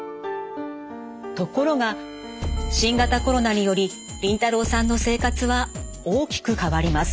ところが新型コロナによりリンタロウさんの生活は大きく変わります。